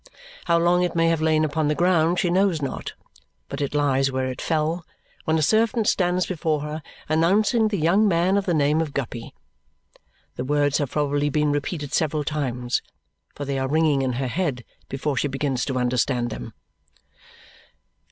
How long it may have lain upon the ground she knows not, but it lies where it fell when a servant stands before her announcing the young man of the name of Guppy. The words have probably been repeated several times, for they are ringing in her head before she begins to understand them.